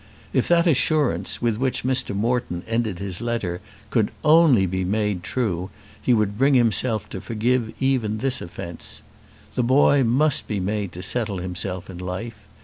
If that assurance with which Mr. Moreton ended his letter could only be made true, he could bring himself to forgive even this offence. The boy must be made to settle himself in life.